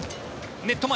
ネット前。